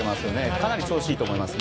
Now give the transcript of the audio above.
かなり調子いいと思います。